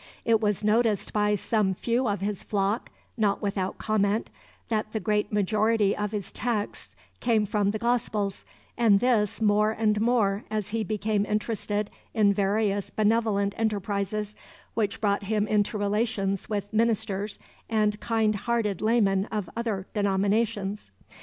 It was noticed by some few of his flock, not without comment, that the great majority of his texts came from the Gospels, and this more and more as he became interested in various benevolent enterprises which brought him into relations with ministers and kindhearted laymen of other denominations.